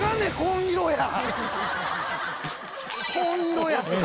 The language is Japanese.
紺色やった！